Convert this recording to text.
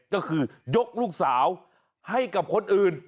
ก็คือยกลูกสาวให้กับคนอื่น